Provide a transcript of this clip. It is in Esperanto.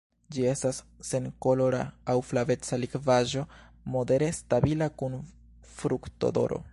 Ĝi estas senkolora aŭ flaveca likvaĵo modere stabila kun fruktodoro.